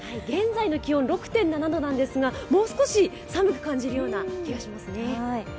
現在の気温、６．７度なんですがもう少し寒く感じる気がしますね。